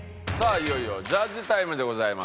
いよいよジャッジタイムでございます。